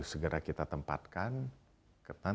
segera kita tempatkan